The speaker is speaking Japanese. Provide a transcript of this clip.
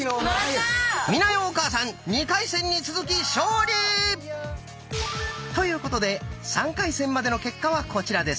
美奈代お母さん２回戦に続き勝利！ということで３回戦までの結果はこちらです。